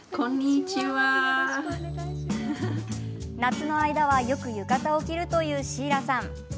夏の間は、よく浴衣を着るというシーラさん。